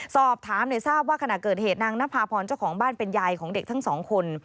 สอบถามทราบว่าขณะเกิดเหตุนางนภาพรเจ้าของบ้านเป็นยายของเด็กทั้งสองคน